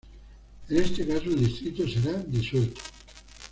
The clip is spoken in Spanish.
En este caso el distrito será disuelto.